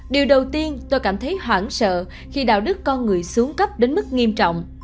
điều đầu tiên tôi cảm thấy hoảng sợ khi đạo đức con người xuống cấp đến mức nghiêm trọng